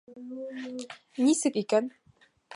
Нисек икән?